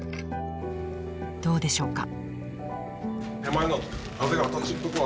どうでしょうか？